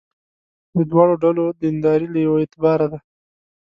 د دواړو ډلو دینداري له یوه اعتباره ده.